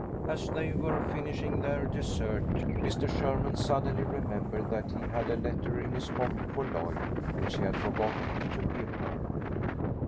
As they were finishing their dessert, Mr. Sherman suddenly remembered that he had a letter in his pocket for Lloyd, which he had forgotten to give her.